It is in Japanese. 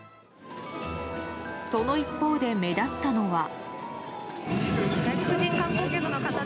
その一方で目立ったのは。